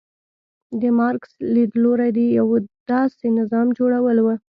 د مارکس لیدلوری د یو داسې نظام جوړول و.